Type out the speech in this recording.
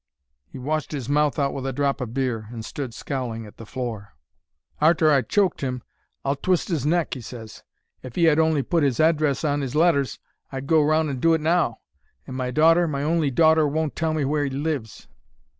"He washed 'is mouth out with a drop o' beer and stood scowling at the floor. "'Arter I've choked 'im I'll twist his neck,' he ses. 'If he 'ad on'y put his address on 'is letters, I'd go round and do it now. And my daughter, my only daughter, won't tell me where he lives.'